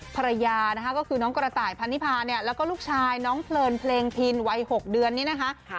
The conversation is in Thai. ภรรยานะคะก็คือน้องกระต่ายพันนิพาเนี่ยแล้วก็ลูกชายน้องเพลินเพลงพินวัย๖เดือนนี้นะคะ